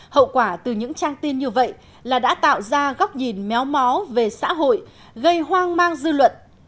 hậu quả từ những trang tin như vậy là đã tạo ra góc nhìn méo mó về xã hội gây hoang mang dư luận